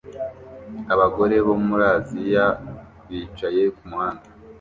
Abagore bo muri Aziya bicaye kumuhanda